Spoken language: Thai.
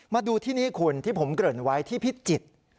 มาดูที่นี่คุณที่ผมเกริ่นไว้ที่พิจิตร